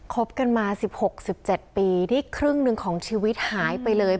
บกันมา๑๖๑๗ปีที่ครึ่งหนึ่งของชีวิตหายไปเลย